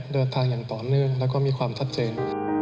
เดินทางอย่างต่อเนื่องแล้วก็มีความชัดเจน